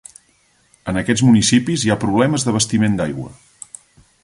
En aquests municipis hi ha problemes d'abastiment d'aigua.